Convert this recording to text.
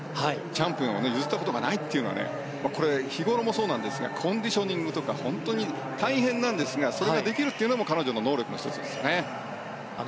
チャンピオンを譲ったことがないというのはこれは日ごろもそうなんですがコンディショニングとか本当に大変なんですがそれができるというのも彼女の能力の１つですね。